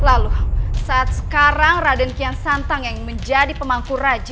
lalu saat sekarang raden kian santang yang menjadi pemangku raja